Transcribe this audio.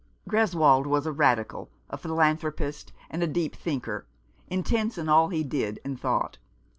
Greswold was a Radical, a philanthropist, and a deep thinker, intense in all he did and thought.